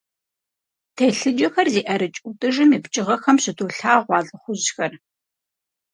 Телъыджэхэр зи ӀэрыкӀ ӀутӀыжым и пкӀыгъэхэм щыдолъагъу а лӀыхъужьхэр.